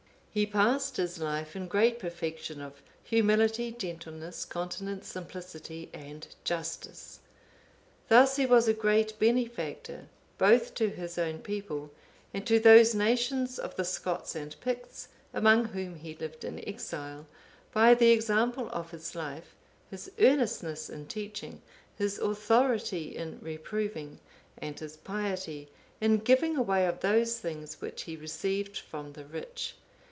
He passed his life in great perfection of humility, gentleness, continence, simplicity, and justice. Thus he was a great benefactor, both to his own people, and to those nations of the Scots and Picts among whom he lived in exile, by the example of his life, his earnestness in teaching, his authority in reproving, and his piety in giving away of those things which he received from the rich.